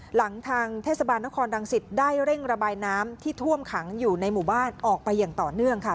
หลังทางเทศบาลนครรังสิตได้เร่งระบายน้ำที่ท่วมขังอยู่ในหมู่บ้านออกไปอย่างต่อเนื่องค่ะ